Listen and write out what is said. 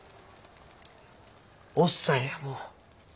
おっさんやもう。